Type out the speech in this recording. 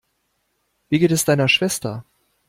Wie geht es deiner Schwester?